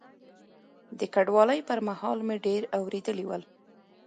د کډوالۍ پر مهال مې ډېر اورېدلي ول.